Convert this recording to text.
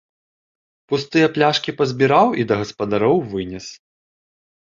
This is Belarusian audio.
Пустыя пляшкі пазбіраў і да гаспадароў вынес.